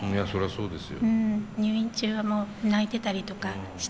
そうですよ。